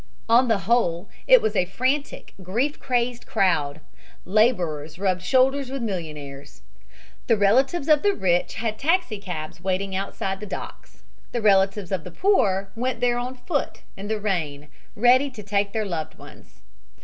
On the whole it was a frantic, grief crazed crowd. Laborers rubbed shoulders with millionaires. The relatives of the rich had taxicabs waiting outside the docks. The relatives of the poor went there on foot in the rain, ready to take their loved ones.